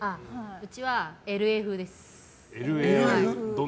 うちは、ＬＡ風です。